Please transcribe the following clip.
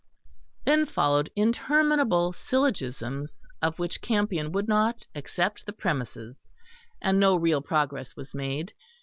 Then followed interminable syllogisms, of which Campion would not accept the premises; and no real progress was made.